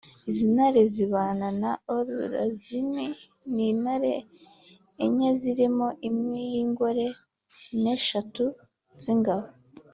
Izi ntare zibana na Or Lazimi ni intare enye zirimo imwe y’ignore n’eshatu z’ingabo